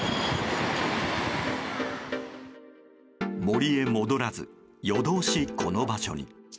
森へ戻らず夜通しこの場所に。